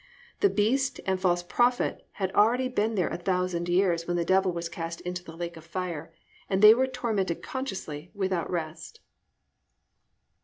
The beast and false prophet had already been there a thousand years when the devil was cast into the lake of fire, and they were tormented consciously, without rest.